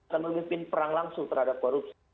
akan memimpin perang langsung terhadap korupsi